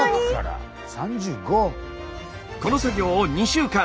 この作業を２週間！